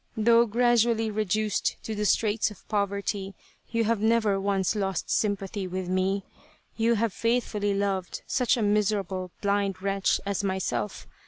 Though gradually reduced to the straits of poverty, you have never once lost sympathy with me. You have faithfully loved such a miserable blind wretch as myself.